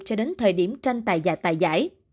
cho đến thời điểm tranh tài giả tài giải